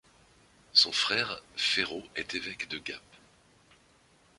Son frère, Féraud est évêque de Gap.